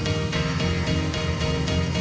ให้เต็มที่ไว้ก่อน